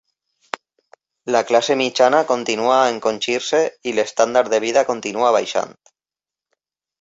La classe mitjana continua a encongir-se i l'estàndard de vida continua baixant.